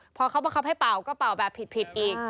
พอเขาบังคับให้เป่าก็เป่าแบบผิดอีก